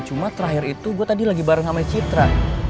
cuma terakhir itu gue tadi lagi bareng sama citra